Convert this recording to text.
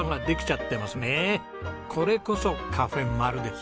これこそ「カフェまる。」です。